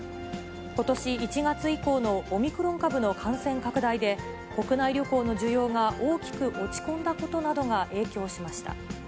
ことし１月以降のオミクロン株の感染拡大で、国内旅行の需要が大きく落ち込んだことなどが影響しました。